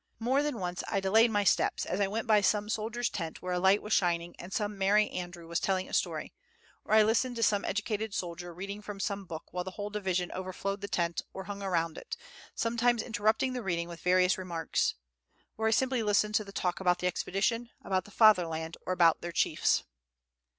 More than once I delayed my steps, as I went by some soldier's tent where a light was shining, and some merry andrew was telling a story; or I listened to some educated soldier reading from some book while the whole division overflowed the tent, or hung around it, sometimes interrupting the reading with various remarks; or I simply listened to the talk about the expedition, about the fatherland, or about their chiefs.